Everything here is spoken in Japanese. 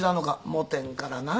もてんからな。